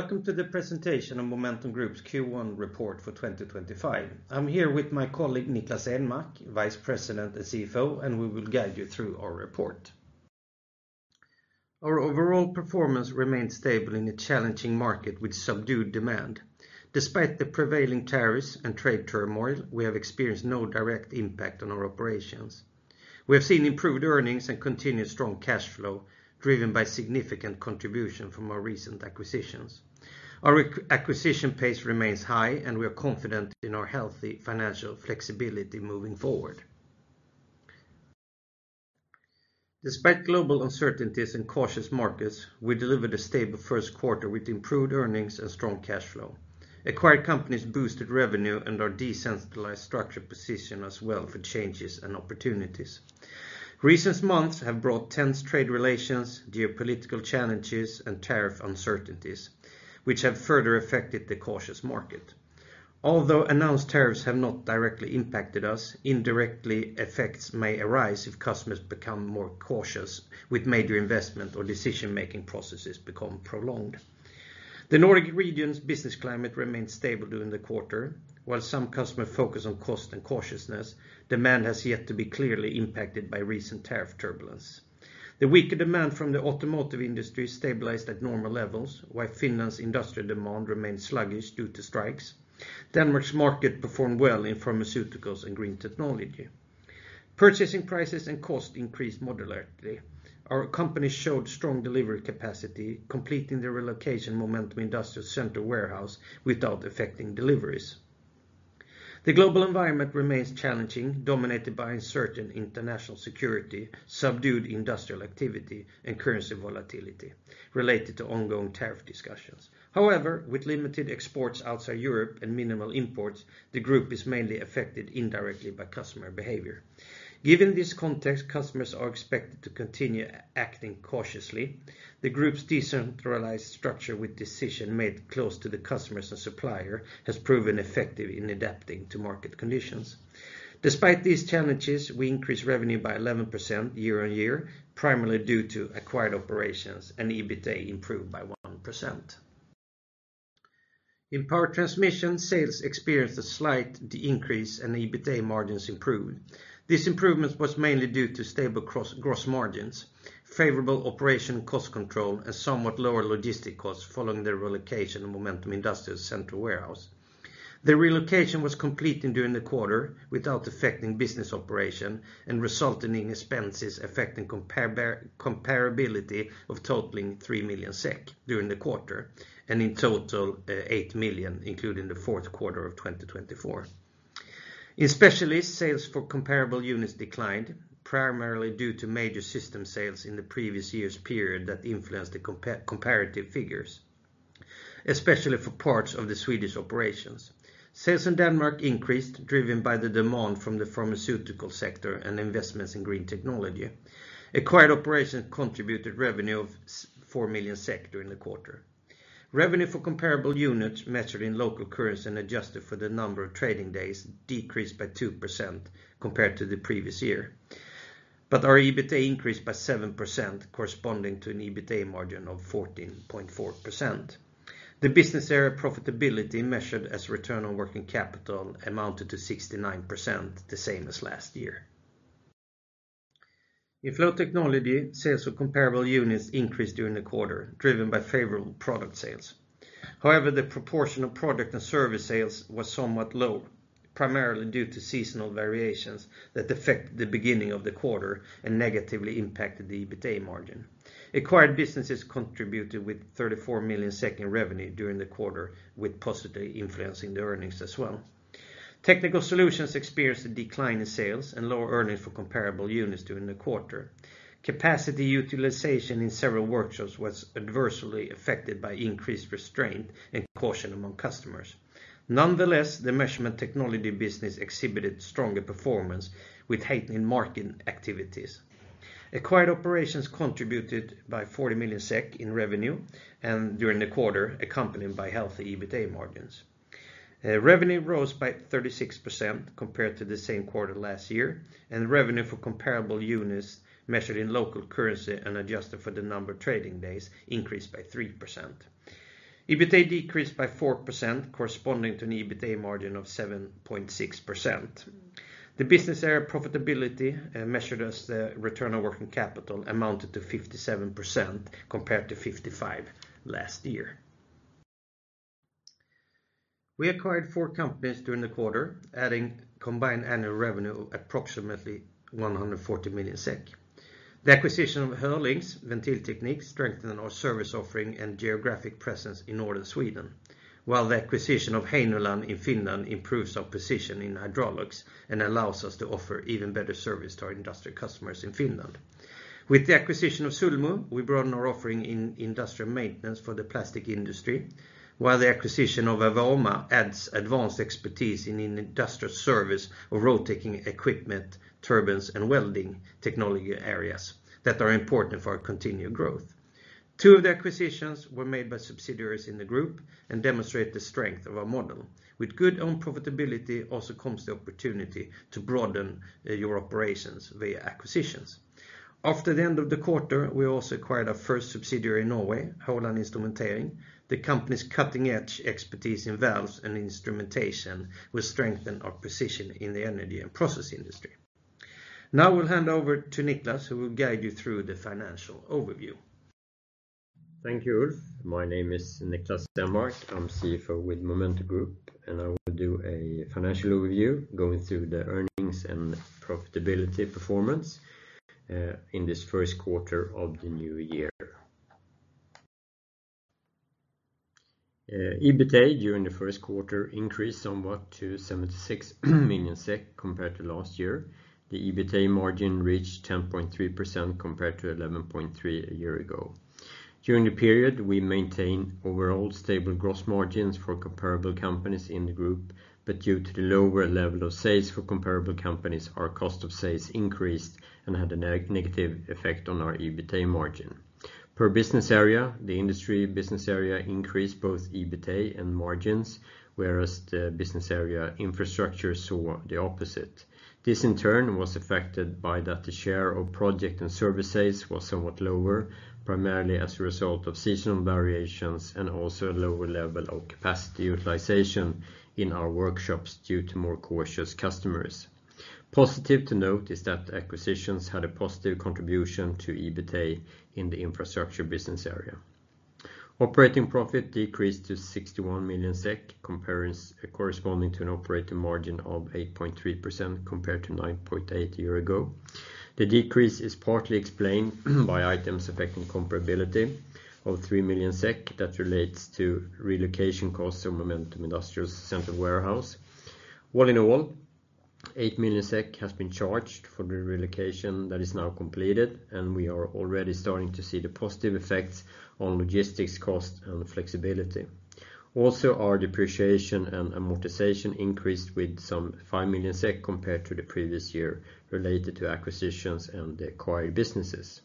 Welcome to the presentation on Momentum Group's Q1 report for 2025. I'm here with my colleague Niklas Enmark, Vice President and CFO, and we will guide you through our report. Our overall performance remained stable in a challenging market with subdued demand. Despite the prevailing tariffs and trade turmoil, we have experienced no direct impact on our operations. We have seen improved earnings and continued strong cash flow, driven by significant contributions from our recent acquisitions. Our acquisition pace remains high, and we are confident in our healthy financial flexibility moving forward. Despite global uncertainties and cautious markets, we delivered a stable first quarter with improved earnings and strong cash flow. Acquired companies boosted revenue and our decentralized structure positions us well for changes and opportunities. Recent months have brought tense trade relations, geopolitical challenges, and tariff uncertainties, which have further affected the cautious market. Although announced tariffs have not directly impacted us, indirect effects may arise if customers become more cautious with major investment or decision-making processes becoming prolonged. The Nordic region's business climate remained stable during the quarter. While some customers focus on cost and cautiousness, demand has yet to be clearly impacted by recent tariff turbulence. The weaker demand from the automotive industry stabilized at normal levels, while Finland's industrial demand remained sluggish due to strikes. Denmark's market performed well in pharmaceuticals and green technology. Purchasing prices and costs increased moderately. Our companies showed strong delivery capacity, completing the relocation of Momentum Industrial's central warehouse without affecting deliveries. The global environment remains challenging, dominated by uncertain international security, subdued industrial activity, and currency volatility related to ongoing tariff discussions. However, with limited exports outside Europe and minimal imports, the group is mainly affected indirectly by customer behavior. Given this context, customers are expected to continue acting cautiously. The group's decentralized structure with decisions made close to the customers and suppliers has proven effective in adapting to market conditions. Despite these challenges, we increased revenue by 11% year on year, primarily due to acquired operations and EBITDA improved by 1%. In Power Transmission, sales experienced a slight increase and EBITDA margins improved. This improvement was mainly due to stable gross margins, favorable operation cost control, and somewhat lower logistic costs following the relocation of Momentum Industrial's central warehouse. The relocation was completed during the quarter without affecting business operation and resulted in expenses affecting comparability of totaling 3 million SEK during the quarter and in total 8 million, including the fourth quarter of 2024. In specialists, sales for comparable units declined, primarily due to major system sales in the previous year's period that influenced the comparative figures, especially for parts of the Swedish operations. Sales in Denmark increased, driven by the demand from the pharmaceutical sector and investments in green technology. Acquired operations contributed revenue of 4 million during the quarter. Revenue for comparable units, measured in local currency and adjusted for the number of trading days, decreased by 2% compared to the previous year, but our EBITDA increased by 7%, corresponding to an EBITDA margin of 14.4%. The business area profitability, measured as return on working capital, amounted to 69%, the same as last year. In Flow Technology, sales of comparable units increased during the quarter, driven by favorable product sales. However, the proportion of product and service sales was somewhat low, primarily due to seasonal variations that affected the beginning of the quarter and negatively impacted the EBITDA margin. Acquired businesses contributed with 34 million in revenue during the quarter, with positive influence on the earnings as well. Technical Solutions experienced a decline in sales and lower earnings for comparable units during the quarter. Capacity utilization in several workshops was adversely affected by increased restraint and caution among customers. Nonetheless, the measurement technology business exhibited stronger performance, with heightened market activities. Acquired operations contributed 40 million SEK in revenue during the quarter, accompanied by healthy EBITDA margins. Revenue rose by 36% compared to the same quarter last year, and revenue for comparable units, measured in local currency and adjusted for the number of trading days, increased by 3%. EBITDA decreased by 4%, corresponding to an EBITDA margin of 7.6%. The business area profitability, measured as return on working capital, amounted to 57% compared to 55% last year. We acquired four companies during the quarter, adding combined annual revenue of approximately 140 million SEK. The acquisition of Hörlings Ventilteknik strengthened our service offering and geographic presence in northern Sweden, while the acquisition of Heinonen in Finland improves our position in hydraulics and allows us to offer even better service to our industrial customers in Finland. With the acquisition of Sulmu, we broadened our offering in industrial maintenance for the plastic industry, while the acquisition of Avoma adds advanced expertise in industrial service of rotating equipment, turbines, and welding technology areas that are important for our continued growth. Two of the acquisitions were made by subsidiaries in the group and demonstrate the strength of our model. With good own profitability also comes the opportunity to broaden your operations via acquisitions. After the end of the quarter, we also acquired our first subsidiary in Norway, Håland Instrumentering. The company's cutting-edge expertise in valves and instrumentation will strengthen our position in the energy and process industry. Now we'll hand over to Niklas, who will guide you through the financial overview. Thank you, Ulf. My name is Niklas Enmark. I'm CFO with Momentum Group, and I will do a financial overview going through the earnings and profitability performance in this first quarter of the new year. EBITDA during the first quarter increased somewhat to 76 million SEK compared to last year. The EBITDA margin reached 10.3% compared to 11.3% a year ago. During the period, we maintained overall stable gross margins for comparable companies in the group, but due to the lower level of sales for comparable companies, our cost of sales increased and had a negative effect on our EBITDA margin. Per business area, the Industry business area increased both EBITDA and margins, whereas the business area infrastructure saw the opposite. This, in turn, was affected by that the share of project and service sales was somewhat lower, primarily as a result of seasonal variations and also a lower level of capacity utilization in our workshops due to more cautious customers. Positive to note is that acquisitions had a positive contribution to EBITDA in the infrastructure business area. Operating profit decreased to 61 million SEK, corresponding to an operating margin of 8.3% compared to 9.8% a year ago. The decrease is partly explained by items affecting comparability of 3 million SEK that relates to relocation costs of Momentum Industrial's central warehouse. All in all, 8 million SEK has been charged for the relocation that is now completed, and we are already starting to see the positive effects on logistics cost and flexibility. Also, our depreciation and amortization increased with some 5 million SEK compared to the previous year related to acquisitions and the acquired businesses.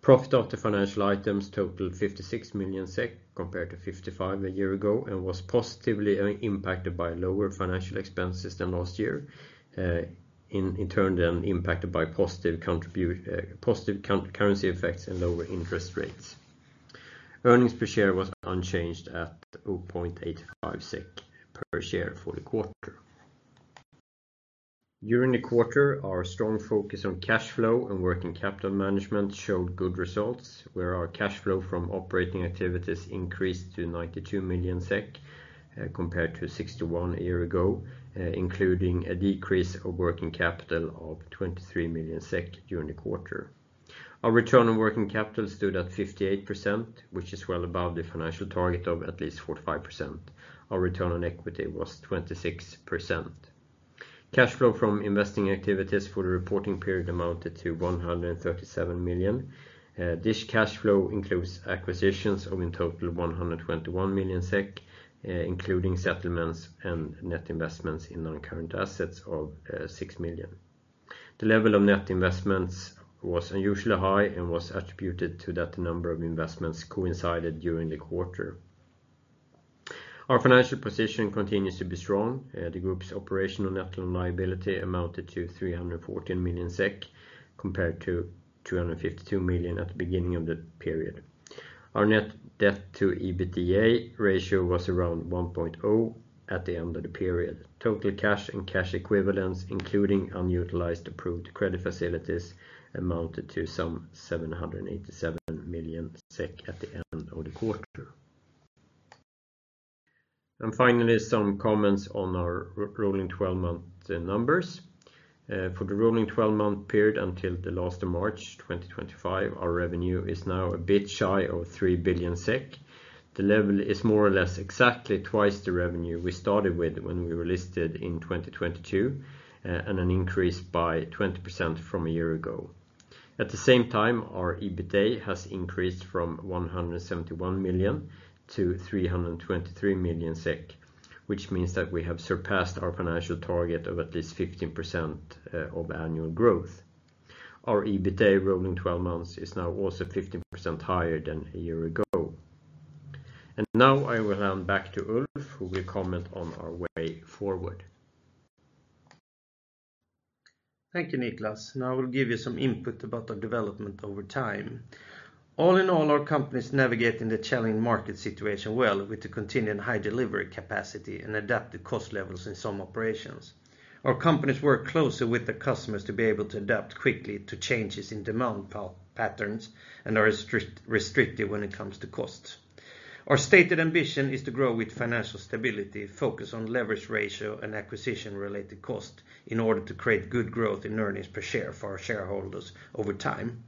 Profit after financial items totalled 56 million SEK compared to 55 million a year ago and was positively impacted by lower financial expenses than last year, in turn then impacted by positive currency effects and lower interest rates. Earnings per share was unchanged at 0.85 SEK per share for the quarter. During the quarter, our strong focus on cash flow and working capital management showed good results, where our cash flow from operating activities increased to 92 million SEK compared to 61 million a year ago, including a decrease of working capital of 23 million SEK during the quarter. Our return on working capital stood at 58%, which is well above the financial target of at least 45%. Our return on equity was 26%. Cash flow from investing activities for the reporting period amounted to 137 million. This cash flow includes acquisitions of in total 121 million SEK, including settlements and net investments in non-current assets of 6 million. The level of net investments was unusually high and was attributed to that the number of investments coincided during the quarter. Our financial position continues to be strong. The group's operational net liability amounted to 314 million SEK compared to 252 million at the beginning of the period. Our net debt to EBITDA ratio was around 1.0 at the end of the period. Total cash and cash equivalents, including unutilized approved credit facilities, amounted to some 787 million SEK at the end of the quarter. Finally, some comments on our rolling 12-month numbers. For the rolling 12-month period until the last of March 2025, our revenue is now a bit shy of 3 billion SEK. The level is more or less exactly twice the revenue we started with when we were listed in 2022 and an increase by 20% from a year ago. At the same time, our EBITDA has increased from 171 million to 323 million SEK, which means that we have surpassed our financial target of at least 15% of annual growth. Our EBITDA rolling 12 months is now also 15% higher than a year ago. I will hand back to Ulf, who will comment on our way forward. Thank you, Niklas. I will give you some input about our development over time. All in all, our company is navigating the challenging market situation well with the continued high delivery capacity and adaptive cost levels in some operations. Our companies work closely with the customers to be able to adapt quickly to changes in demand patterns and are restrictive when it comes to costs. Our stated ambition is to grow with financial stability, focus on leverage ratio and acquisition-related costs in order to create good growth in earnings per share for our shareholders over time.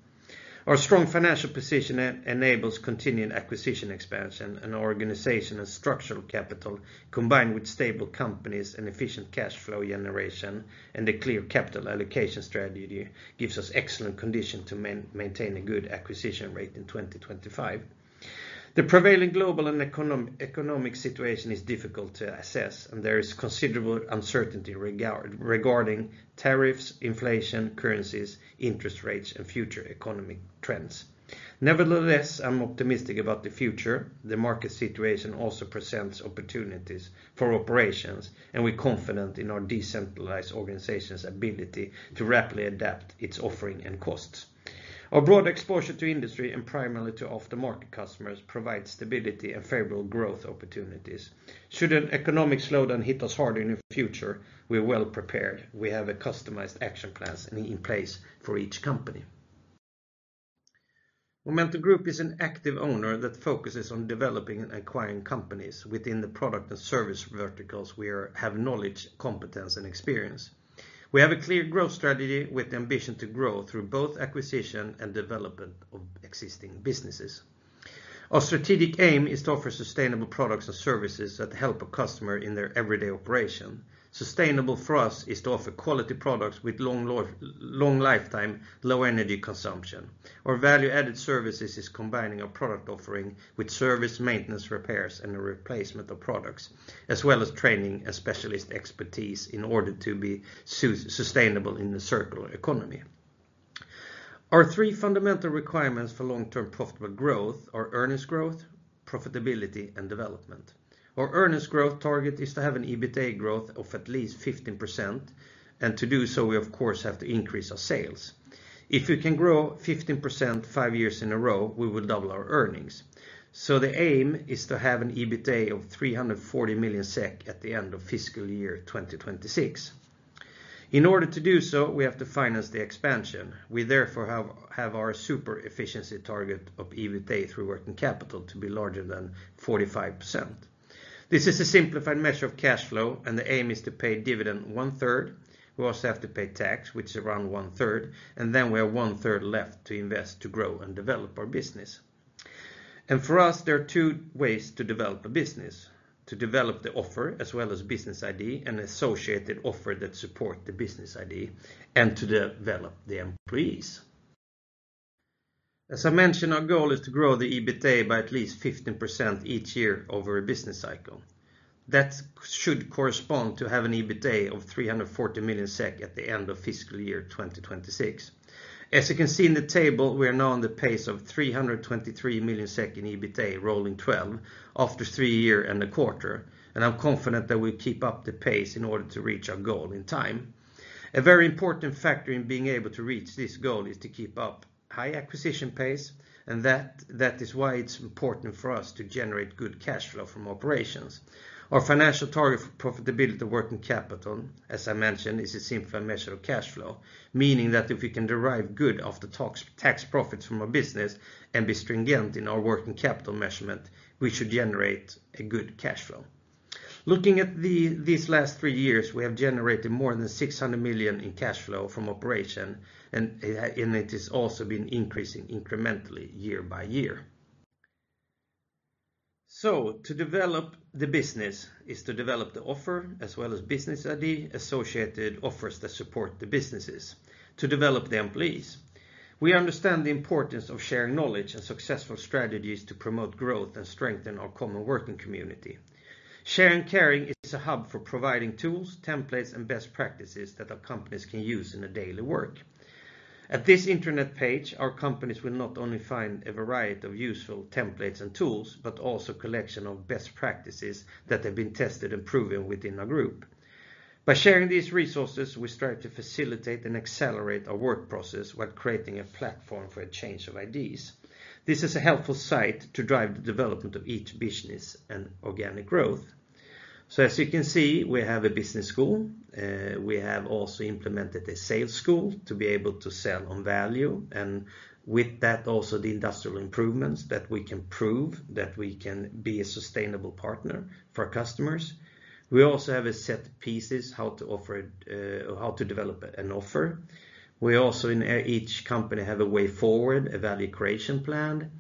Our strong financial position enables continued acquisition expansion, and our organization and structural capital, combined with stable companies and efficient cash flow generation and a clear capital allocation strategy, gives us excellent conditions to maintain a good acquisition rate in 2025. The prevailing global and economic situation is difficult to assess, and there is considerable uncertainty regarding tariffs, inflation, currencies, interest rates, and future economic trends. Nevertheless, I'm optimistic about the future. The market situation also presents opportunities for operations, and we're confident in our decentralized organization's ability to rapidly adapt its offering and costs. Our broad exposure to industry and primarily to aftermarket customers provides stability and favorable growth opportunities. Should an economic slowdown hit us hard in the future, we're well prepared. We have customized action plans in place for each company. Momentum Group is an active owner that focuses on developing and acquiring companies within the product and service verticals where we have knowledge, competence, and experience. We have a clear growth strategy with the ambition to grow through both acquisition and development of existing businesses. Our strategic aim is to offer sustainable products and services that help our customers in their everyday operation. Sustainable for us is to offer quality products with long lifetime, low energy consumption. Our value-added services is combining our product offering with service, maintenance, repairs, and replacement of products, as well as training and specialist expertise in order to be sustainable in the circular economy. Our three fundamental requirements for long-term profitable growth are earnings growth, profitability, and development. Our earnings growth target is to have an EBITDA growth of at least 15%, and to do so, we, of course, have to increase our sales. If we can grow 15% five years in a row, we will double our earnings. The aim is to have an EBITDA of 340 million SEK at the end of fiscal year 2026. In order to do so, we have to finance the expansion. We therefore have our super efficiency target of EBITDA through working capital to be larger than 45%. This is a simplified measure of cash flow, and the aim is to pay dividend one-third. We also have to pay tax, which is around one-third, and then we have one-third left to invest to grow and develop our business. For us, there are two ways to develop a business: to develop the offer as well as business idea and associated offer that support the business idea, and to develop the employees. As I mentioned, our goal is to grow the EBITDA by at least 15% each year over a business cycle. That should correspond to having an EBITDA of 340 million SEK at the end of fiscal year 2026. As you can see in the table, we are now on the pace of 323 million in EBITDA rolling 12 after three years and a quarter, and I'm confident that we'll keep up the pace in order to reach our goal in time. A very important factor in being able to reach this goal is to keep up high acquisition pace, and that is why it's important for us to generate good cash flow from operations. Our financial target for profitability of working capital, as I mentioned, is a simplified measure of cash flow, meaning that if we can derive good after-tax profits from our business and be stringent in our working capital measurement, we should generate a good cash flow. Looking at these last three years, we have generated more than 600 million in cash flow from operation, and it has also been increasing incrementally year by year. To develop the business is to develop the offer as well as business idea, associated offers that support the businesses, to develop the employees. We understand the importance of sharing knowledge and successful strategies to promote growth and strengthen our common working community. Sharing & Caring is a hub for providing tools, templates, and best practices that our companies can use in their daily work. At this intranet page, our companies will not only find a variety of useful templates and tools, but also a collection of best practices that have been tested and proven within our group. By sharing these resources, we strive to facilitate and accelerate our work process while creating a platform for a change of ideas. This is a helpful site to drive the development of each business and organic growth. As you can see, we have a business school. We have also implemented a sales school to be able to sell on value, and with that also the industrial improvements that we can prove that we can be a sustainable partner for our customers. We also have set pieces how to offer, how to develop an offer. We also in each company have a way forward, a value creation plan.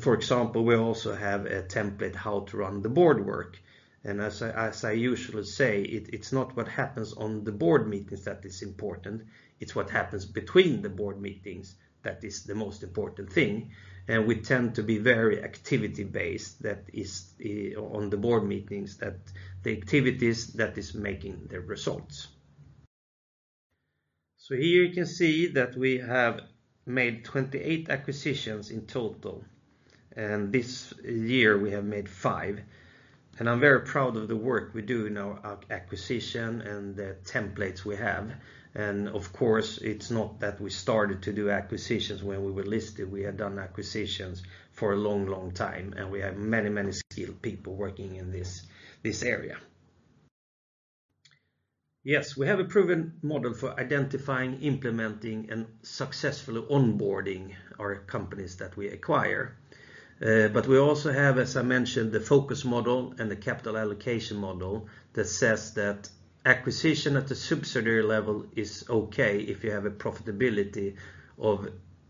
For example, we also have a template how to run the board work. As I usually say, it's not what happens on the board meetings that is important. It's what happens between the board meetings that is the most important thing. We tend to be very activity-based that is on the board meetings, that the activities that is making the results. Here you can see that we have made 28 acquisitions in total. This year we have made five. I'm very proud of the work we do in our acquisition and the templates we have. Of course, it's not that we started to do acquisitions when we were listed. We had done acquisitions for a long, long time, and we have many, many skilled people working in this area. Yes, we have a proven model for identifying, implementing, and successfully onboarding our companies that we acquire. We also have, as I mentioned, the focus model and the capital allocation model that says that acquisition at the subsidiary level is okay if you have a profitability of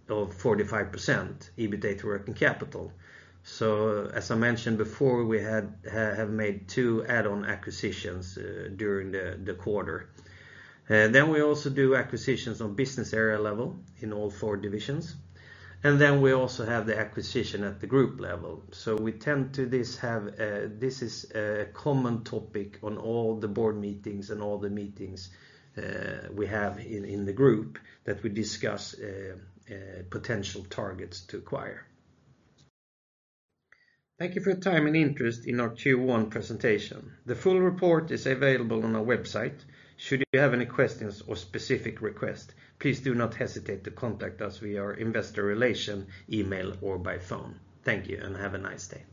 45% EBITDA to working capital. As I mentioned before, we have made two add-on acquisitions during the quarter. We also do acquisitions on business area level in all four divisions. We also have the acquisition at the group level. We tend to have this as a common topic on all the board meetings and all the meetings we have in the group that we discuss potential targets to acquire. Thank you for your time and interest in our Q1 presentation. The full report is available on our website. Should you have any questions or specific requests, please do not hesitate to contact us via our investor relation email or by phone. Thank you and have a nice day.